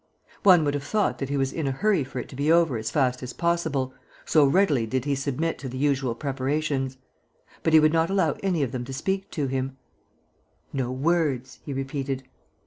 One would have thought that he was in a hurry for it to be over as fast as possible, so readily did he submit to the usual preparations. But he would not allow any of them to speak to him: "No words," he repeated.